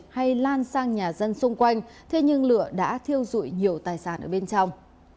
hay lan sang nhà dân xung quanh thế nhưng lửa đã thiêu dụi nhiều tài sản ở bên trong